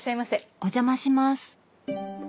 お邪魔します。